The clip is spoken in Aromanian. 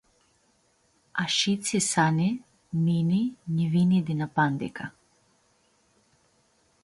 Ashitsi, Sani, mini, nj-vini dinapandica.